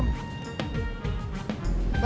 makasih mas pur